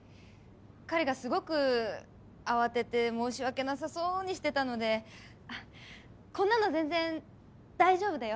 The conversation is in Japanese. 彼がすごく慌てて申し訳なさそうにしてたので「こんなの全然大丈夫だよ。